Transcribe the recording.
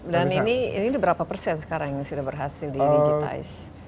dan ini berapa persen sekarang yang sudah berhasil di digitize